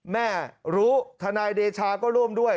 แม่รู้ทนายเดชาก็ร่วมด้วย